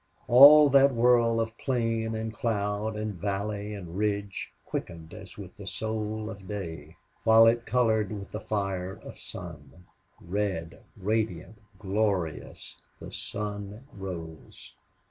All that world of plain and cloud and valley and ridge quickened as with the soul of day, while it colored with the fire of sun. Red, radiant, glorious, the sun rose.